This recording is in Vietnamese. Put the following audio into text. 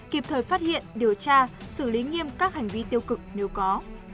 kịp thời phát hiện điều tra xử lý nghiêm các hành vi tiêu cực nếu có